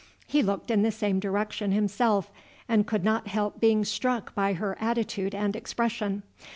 He looked in the same direction himself, and could not help being struck by her attitude and expression.